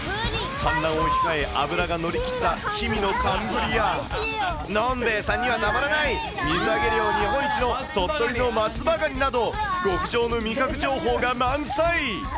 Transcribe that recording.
産卵を控え脂が乗り切った氷見の寒ブリや、のんべえさんにはたまらない水揚げ量日本一の鳥取の松葉がになど、極上の味覚情報が満載。